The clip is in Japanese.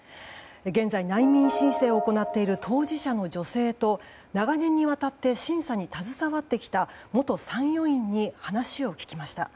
現在、難民申請を行っている当事者の女性と長年にわたって審査に携わってきた元参与員に話を聞きました。